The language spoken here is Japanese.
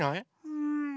うん。